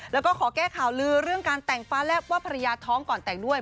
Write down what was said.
แล้วก็ขอแก้ข่าวลือเรื่องการแต่งฟ้าแลบว่าภรรยาท้องก่อนแต่งด้วย